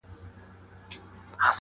خبر نه وي د بچیو له احواله -